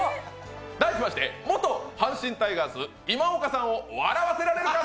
題しまして元・阪神タイガース今岡さんを笑わせられるか！？